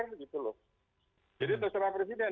jadi terserah presiden